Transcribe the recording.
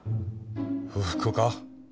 不服か？